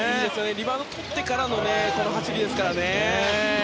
リバウンドをとってからのこの走りですからね。